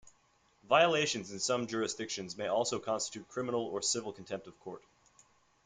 Violations in some jurisdictions may also constitute criminal or civil contempt of court.